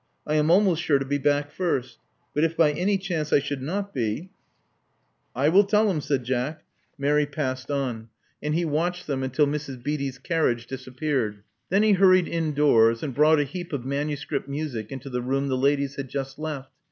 I am almost sure to be back first; but if by any chance I should not be " I will tell him," said Jack. Mary passed on; and 40 Love Among the Artists he watched them until Mrs. Beatty's carriage disap peared. Then he hurried indoors, and brought a heap of manuscript music into the room the ladies had just left.